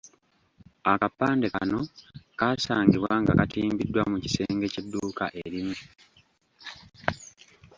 Akapande kano kaasangibwa nga katimbiddwa mu kisenge ky'edduuka erimu.